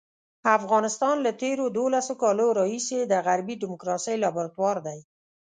افغانستان له تېرو دولسو کالو راهیسې د غربي ډیموکراسۍ لابراتوار دی.